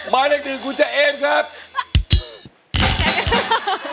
มาเลือกหนึ่งคุณเจเอมครับ